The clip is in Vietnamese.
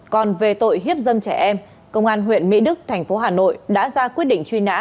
còn về tội hiếp dâm trẻ em công an huyện mỹ đức thành phố hà nội đã ra quyết định truy nã